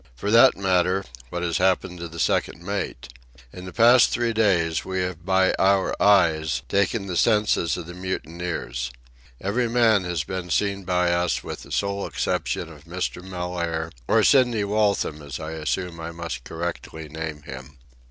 For that matter, what has happened to the second mate? In the past three days we have by our eyes taken the census of the mutineers. Every man has been seen by us with the sole exception of Mr. Mellaire, or Sidney Waltham, as I assume I must correctly name him.